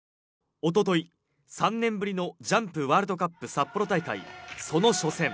一昨日、３年ぶりのジャンプワールドカップ札幌大会、その初戦。